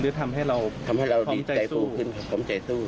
หรือทำให้เราคงใจสู้